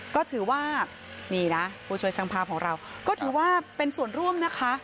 ก็ถือว่านี่นะผู้ช่วยช่างภาพของเราก็ถือว่าเป็นส่วนร่วมนะคะ